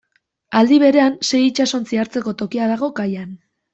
Aldi berean sei itsasontzi hartzeko tokia dago kaian.